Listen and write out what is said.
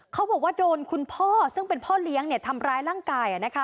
เขาบอกว่าโดนคุณพ่อซึ่งเป็นพ่อเลี้ยงทำร้ายร่างกาย